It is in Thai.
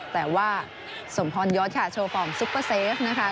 แต่ว่าสมพรยศค่ะโชว์ฟอร์มซุปเปอร์เซฟนะคะ